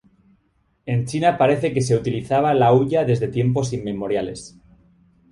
En China parece que se utilizaba la hulla desde tiempos inmemoriales.